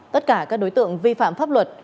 tất cả các đối tượng vi phạm pháp luật